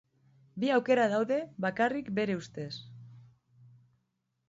Bi aukera daude bakarrik bere ustez.